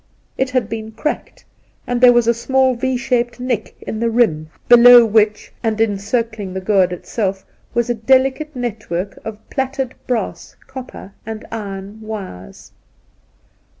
It had been cracked, and there was a small Y shaped nick in the rim, below which, and 90 Induna Nairn encircling the gourd itself, was a delicate network of plaited brass, copper, and iron wires.